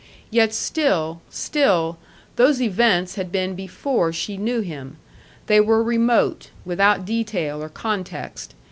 Yet still, still, those events had been before she knew him. They were remote, without detail or context.